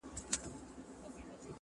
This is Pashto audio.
پېړۍ و سوه جګړه د تورو سپینو د روانه,